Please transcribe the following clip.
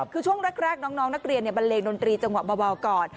คือช่วงแรกน้องนักเรียนบันเลงดนตรีจังหวะเบาก่อน